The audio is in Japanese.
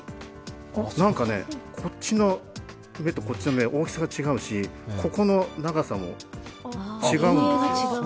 なんかこっちの目とこっちの目、大きさが違うし、ここの長さも違うんです。